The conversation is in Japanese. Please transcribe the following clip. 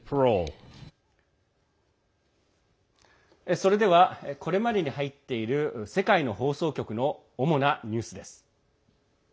それではこれまでに入っている世界の放送局の主なニュースです。